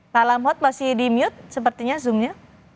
pak lamhot masih di mute sepertinya zoom nya